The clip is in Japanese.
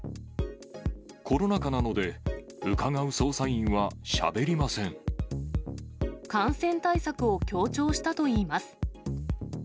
コロナ禍なので、感染対策を強調したといいます。